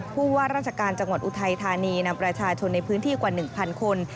ผู้ว่าราชการจังหวัดอุทัยธานีนำประชาชนในพื้นที่กว่า๑๐๐คน